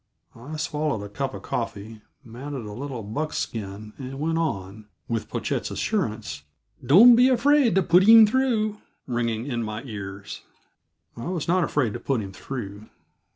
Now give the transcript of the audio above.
I swallowed a cup of coffee, mounted a little buckskin, and went on, with Pochette's assurance, "Don't be afraid to put heem through," ringing in my ears. I was not afraid to put him through.